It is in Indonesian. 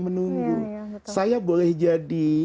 menunggu saya boleh jadi